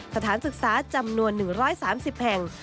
สถานศึกษาจำนวน๑๓๐แห่ง